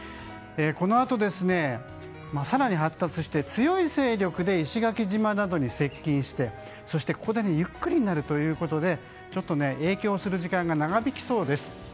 このあと更に発達して強い勢力で石垣島などに接近してゆっくりになるということでちょっと影響する時間が長引きそうです。